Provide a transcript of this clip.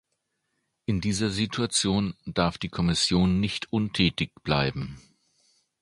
In dieser Situation darf die Kommission nicht untätig bleiben.